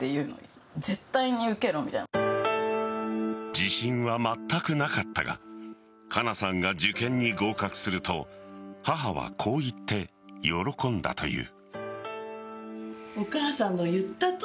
自信はまったくなかったが加奈さんが受験に合格すると母はこういって喜んだという。